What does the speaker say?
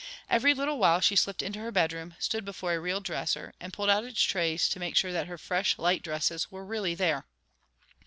Every little while she slipped into her bedroom, stood before a real dresser, and pulled out its trays to make sure that her fresh, light dresses were really there.